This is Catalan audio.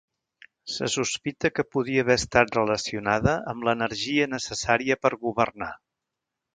Se sospita que podia haver estat relacionada amb l'energia necessària per governar.